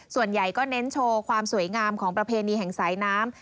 ส่วนใหญ่ก็เน้นโชว์ความสวยงามของประเพณีแห่งสายน้ำ